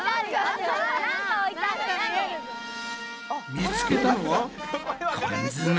見つけたのは缶詰？